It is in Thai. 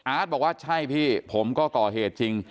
บอกว่าใช่พี่ผมก็ก่อเหตุจริง